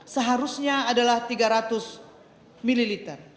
seharusnya adalah tiga ratus ml